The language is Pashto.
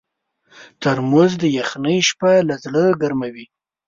ترموز د یخنۍ شپه له زړه ګرمووي.